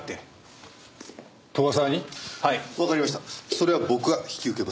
それは僕が引き受けます。